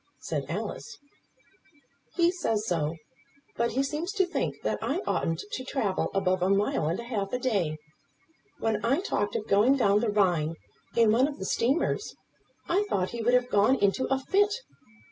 said Alice. "He says so; but he seems to think that I oughtn't to travel above a mile and a half a day. When I talked of going down the Rhine in one of the steamers, I thought he would have gone into a fit.